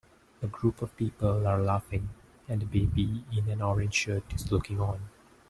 A group of people are laughing, and a baby in an orange shirt is looking on.